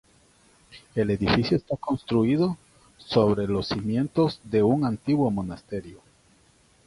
El edificio está construido sobre los cimientos de un antiguo monasterio.